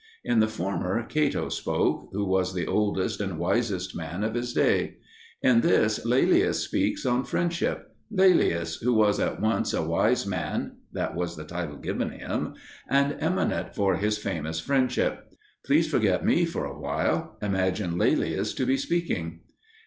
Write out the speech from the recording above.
In the former Cato spoke, who was the oldest and wisest man of his day; in this Laelius speaks on friendship Laelius, who was at once a wise man (that was the title given him) and eminent for his famous friendship. Please forget me for a while; imagine Laelius to be speaking.